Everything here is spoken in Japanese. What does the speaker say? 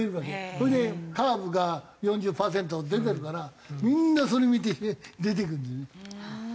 それでカーブが４０パーセント出てるからみんなそれ見て出ていくんだよね。